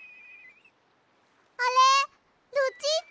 あれルチータ！